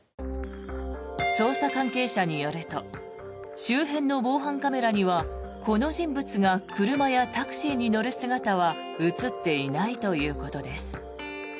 捜査関係者によると周辺の防犯カメラにはこの人物が車やタクシーに乗る姿は映っていないということです。